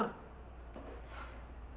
rumah kita ini seperti ruangan praktek dokter